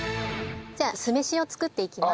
じゃあ酢飯を作っていきます。